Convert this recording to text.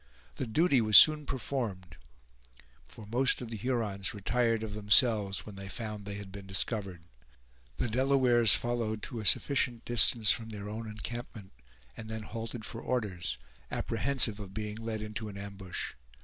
The duty was soon performed; for most of the Hurons retired of themselves when they found they had been discovered. The Delawares followed to a sufficient distance from their own encampment, and then halted for orders, apprehensive of being led into an ambush.